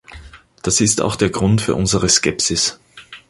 Das ist auch der Grund für unsere Skepsis.